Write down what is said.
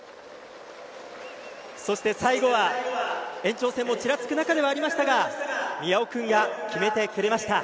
最後は延長戦もちらつく中ではありましたが宮尾君が決めてくれました。